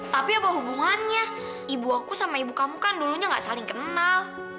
tapi apa hubungannya ibu aku sama ibu kamu kan dulunya gak saling kenal